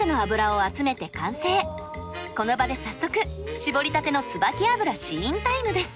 この場で早速搾りたてのつばき油試飲タイムです。